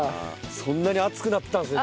そんなに熱くなってたんですね